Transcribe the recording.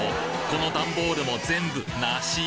この段ボールも全部梨！？